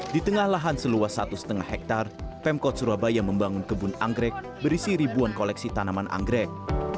di tengah lahan seluas satu lima hektare pemkot surabaya membangun kebun anggrek berisi ribuan koleksi tanaman anggrek